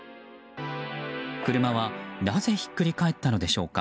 車は、なぜひっくり返ったのでしょうか。